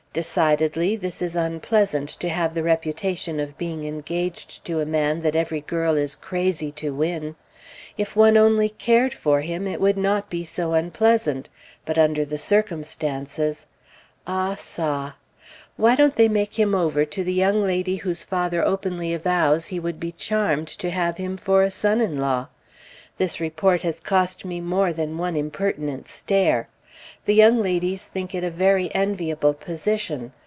Decidedly, this is unpleasant to have the reputation of being engaged to a man that every girl is crazy to win! If one only cared for him, it would not be so unpleasant; but under the circumstances, ah ça! why don't they make him over to the young lady whose father openly avows he would be charmed to have him for a son in law? This report has cost me more than one impertinent stare. The young ladies think it a very enviable position.